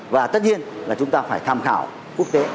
và tất nhiên là chúng ta phải tham khảo quốc tế